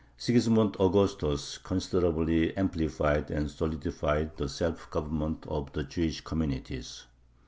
Sigismund Augustus considerably amplified and solidified the self government of the Jewish communities.